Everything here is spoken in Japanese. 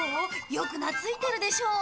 よく懐いてるでしょ？